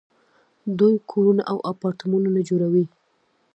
دوی کورونه او اپارتمانونه جوړوي.